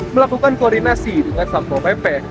melakukan koordinasi dengan sampo pp